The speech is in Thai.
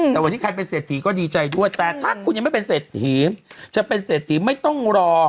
แต่วันนี้ใครเป็นเศรษฐีก็ดีใจด้วยแต่ถ้าคุณยังไม่เป็นเศรษฐีจะเป็นเศรษฐีไม่ต้องรอ